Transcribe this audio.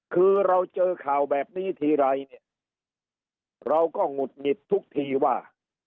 คือเราเจอข่าวแบบนี้ทีไรเนี่ยเราก็หงุดหงิดทุกทีว่า